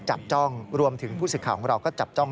จับจ้องรวมถึงผู้สื่อข่าวของเราก็จับจ้อง